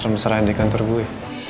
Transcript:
ngapain mesra mesraan di kantor gue